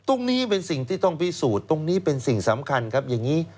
ตรงนี้เป็นสิ่งที่ต้องพิสูจน์ตรงนี้เป็นสิ่งสำคัญครับอย่างนี้